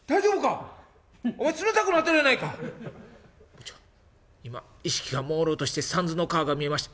「部長今意識がもうろうとして三途の川が見えました」。